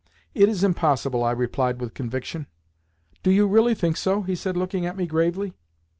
"It is impossible," I replied with conviction. "Do you really think so?" he said, looking at me gravely.